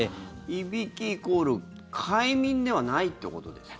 いびきイコール快眠ではないということですか？